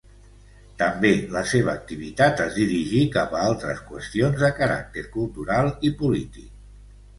També la seva activitat es dirigí cap a altres qüestions de caràcter cultural i polític.